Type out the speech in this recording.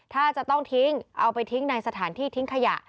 ถ้าจะต้องทิ้งเอาไปทิ้งในสถานที่ทิ้งขยะ